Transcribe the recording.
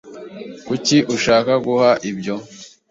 Kuki ushaka guha ibyo?